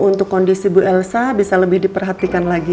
untuk kondisi bu elsa bisa lebih diperhatikan lagi